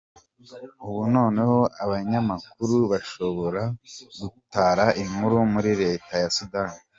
Ubu noneho Abanyamakuru bashobora gutara inkuru muri Leta ya Sudani